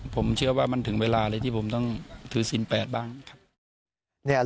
ผมเชื่อว่ามันถึงเวลาเลยที่ผมต้องถือสิน๘บ้างครับ